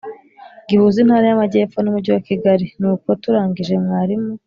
gihuza Intara y’Amajyepfo n’Umujyi wa Kigali. Nuko turangije mwarimu